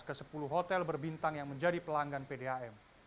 ke sepuluh hotel berbintang yang menjadi pelanggan pdam